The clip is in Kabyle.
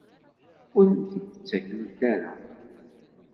Ur am-t-id-ttakent ara?